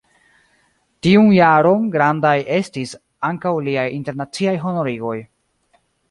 Tiun jaron grandaj estis ankaŭ liaj internaciaj honorigoj.